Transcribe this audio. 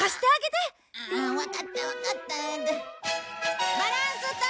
わかったわかった。